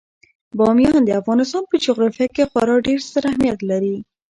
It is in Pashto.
بامیان د افغانستان په جغرافیه کې خورا ډیر ستر اهمیت لري.